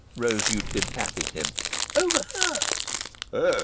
Rose Euclid patted him. "'Overheard.'"